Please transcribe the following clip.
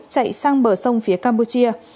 chạy sang bờ sông phía campuchia